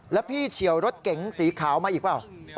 แล้วพี่เฉียวรถเก๋งสีขาวมาอีกเปล่า